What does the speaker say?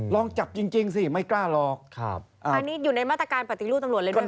ลองจับจริงจริงสิไม่กล้าหรอกครับอ่าอันนี้อยู่ในมาตรการปฏิรูปตำรวจเลยด้วยไหม